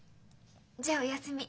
じゃあおやすみ。